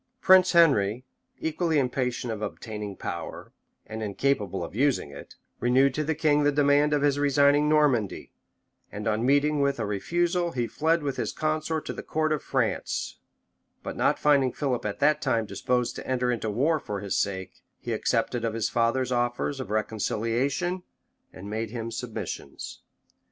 Prince Henry, equally impatient of obtaining power, and incapable of using it, renewed to the king the demand of his resigning Normandy; and on meeting with a refusal, he fled with his consort to the court of France: but not finding Philip at that time disposed to enter into war for his sake, he accepted of his father's offers of reconciliation, and made him submissions.